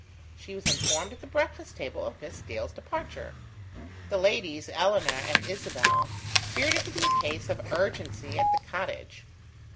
She was informed at the breakfast table of Miss Dale's departure. The ladies Eleanor and Isabel feared it to be a case of urgency at the cottage.